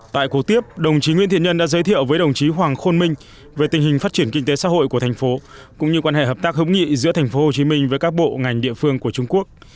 tại cuộc tiếp đồng chí nguyễn thiện nhân đã giới thiệu với đồng chí hoàng khôn minh về tình hình phát triển kinh tế xã hội của thành phố cũng như quan hệ hợp tác hữu nghị giữa tp hcm với các bộ ngành địa phương của trung quốc